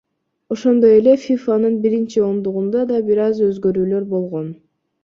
Ошондой эле ФИФАнын биринчи ондугунда да бир аз өзгөрүүлөр болгон.